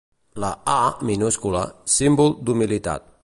La ‘à’, minúscula, símbol d’humilitat.